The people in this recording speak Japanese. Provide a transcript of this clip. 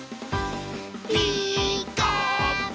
「ピーカーブ！」